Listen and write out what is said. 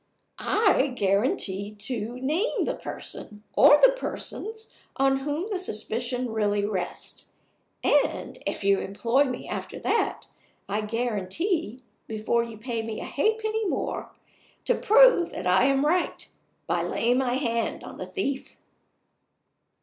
"I guarantee to name the person, or the persons, on whom the suspicion really rests. And if you employ me after that, I guarantee (before you pay me a halfpenny more) to prove that I am right by laying my hand on the thief."